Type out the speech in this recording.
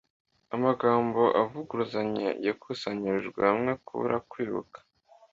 Amagambo avuguruzanya yakusanyirijwe hamwe, kubura kwibuka